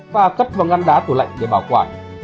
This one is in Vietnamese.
và cất vào ngăn đá tủ lạnh để bảo quản